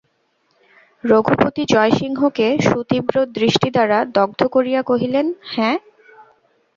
রঘুপতি জয়সিংহকে সুতীব্র দৃষ্টিদ্বারা দগ্ধ করিয়া কহিলেন, হাঁ।